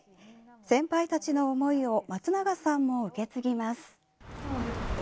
先輩たちの思いをまつながさんも受け継ぎます。